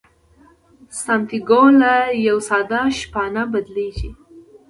سانتیاګو له یوه ساده شپانه بدلیږي.